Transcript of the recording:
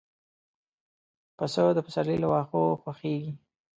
پسه د پسرلي له واښو خوښيږي.